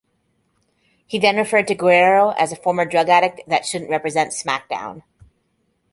He then referred to Guerrero as a former drug addict that shouldn't represent SmackDown!